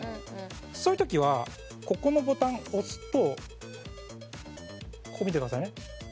そういう時はここのボタン押すと見てくださいね。